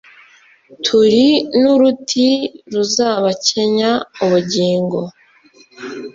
Turi n'uruti ruzabakenya ubugingo,